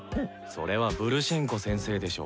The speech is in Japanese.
それはブルシェンコ先生でしょ。